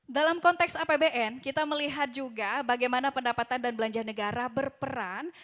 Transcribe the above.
dalam konteks apbn kita melihat juga bagaimana pendapatan dan belanja negara berperan